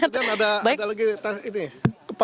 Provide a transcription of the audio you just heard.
dan ada lagi ini pemeriksaan kesehatan